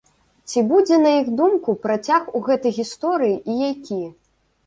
Ці будзе на іх думку працяг у гэтай гісторыі і які?